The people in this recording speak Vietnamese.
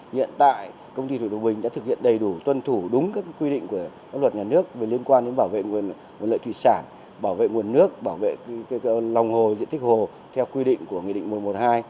hiện tại công ty thủy lợi bình đã thực hiện đầy đủ tuân thủ đúng các quy định của pháp luật nhà nước về liên quan đến bảo vệ nguồn lợi thủy sản bảo vệ nguồn nước bảo vệ lòng hồ diện tích hồ theo quy định của nghị định một trăm một mươi hai